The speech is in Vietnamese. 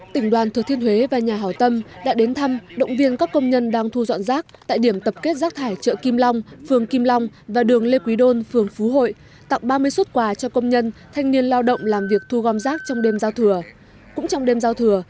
tỉnh đoàn thừa thiên huế và nhà hảo tâm đã đến thăm động viên các công nhân đang thu dọn rác tại điểm tập kết rác thải chợ kim long phường kim long và đường lê quý đôn phường phú hội tặng ba mươi xuất quà cho công nhân thanh niên lao động làm việc thu gom rác trong đêm giao thừa cũng trong đêm giao thừa